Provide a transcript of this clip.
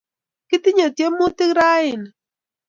Kitinye tyemutik raini